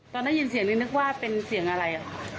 ตอนได้ยินเสียงนี่นึกว่าเป็นเสียงอะไร